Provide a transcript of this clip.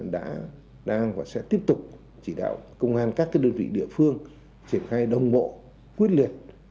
đã đang và sẽ tiếp tục chỉ đạo công an các đơn vị địa phương triển khai đồng bộ quyết liệt